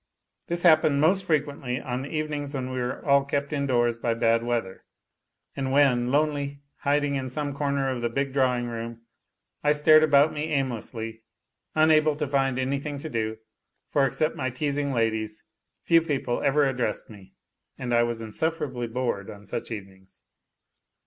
This happened most frequently on the evenings when we were all kept indoors by bad weather, and when, lonely, hiding in some corner of the big drawing room, I stared about me aimlessly, unable to find anything to do, for except my teasing ladies, few people ever addressed me, and I was insuffer ably bored on such evenings.